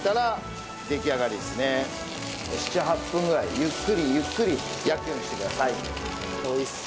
７８分ぐらいゆっくりゆっくり焼くようにしてください。